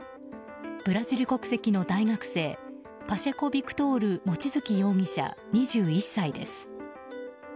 ブラジル国籍の大学生パシェコ・ビクトール・モチヅキ容疑者、２１歳です。